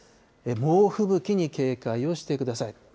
猛吹雪に警戒をしてください。